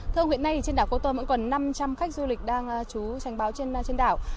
thưa ông hiện nay trên đảo cô tô vẫn còn năm trăm linh khách du lịch đang trú trành báo trên đảo